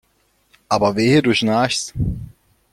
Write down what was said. Aber wehe du schnarchst!